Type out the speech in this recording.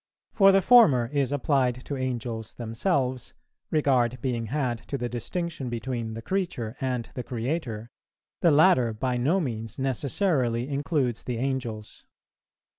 For the former is applied to Angels themselves, regard being had to the distinction between the creature and the Creator; the latter by no means necessarily includes the Angels.'